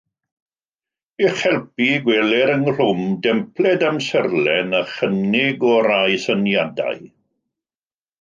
I'ch helpu, gweler ynghlwm dempled amserlen a chynnig o rai syniadau